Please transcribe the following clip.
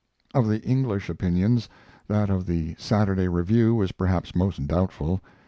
Of the English opinions, that of The Saturday Review was perhaps most doubtful.